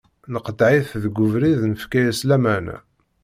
Neqḍeɛ-it deg ubrid nefka-as lamana.